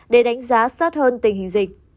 để đánh giá sát hơn tình hình dịch